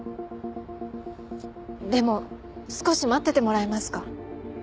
でも少し待っててもらえますか？